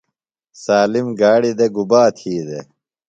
سالم گاڑیۡ دےۡ گُبا تھی دےۡ؟